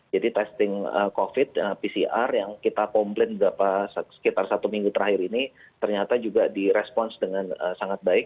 jadi testing covid pcr yang kita komplain sekitar satu minggu terakhir ini ternyata juga direspons dengan sangat baik